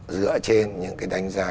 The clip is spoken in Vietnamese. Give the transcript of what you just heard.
dựa trên những cái đánh giá